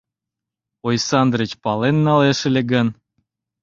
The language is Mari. — Ойсандрыч пален налеш ыле гын...